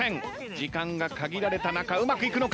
時間が限られた中うまくいくのか？